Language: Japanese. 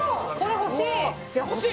欲しい